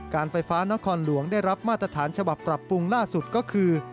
การไฟฟ้านครหลวงได้รับมาตรฐานฉบับปรับปรุงล่าสุดก็คือ